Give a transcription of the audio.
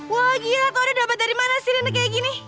wah gila tau gak dapat dari mana sirine kayak gini